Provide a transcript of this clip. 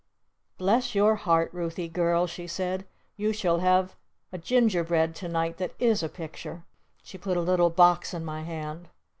"Bless your heart, Ruthy Girl," she said. "You shall have a Ginger bread to night that is a Picture!" She put a little box in my hand.